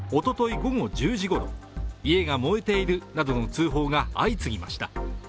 午後１０時ごろ家が燃えているなどの通報が相次ぎました。